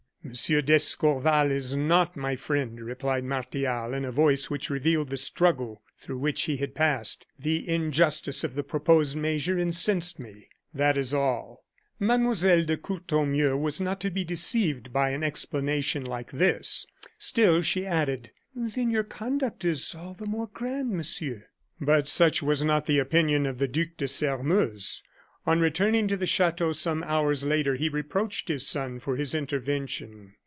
"Monsieur d'Escorval is not my friend," replied Martial, in a voice which revealed the struggle through which he had passed. "The injustice of the proposed measure incensed me, that is all." Mlle. de Courtornieu was not to be deceived by an explanation like this. Still she added: "Then your conduct is all the more grand, Monsieur." But such was not the opinion of the Duc de Sairmeuse. On returning to the chateau some hours later he reproached his son for his intervention.